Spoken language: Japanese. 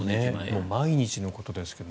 毎日のことですが。